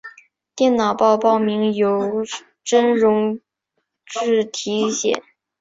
电脑报报名由聂荣臻题写。